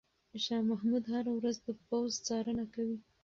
شاه محمود هره ورځ د پوځ څارنه کوي.